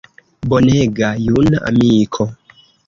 Bonega juna amiko!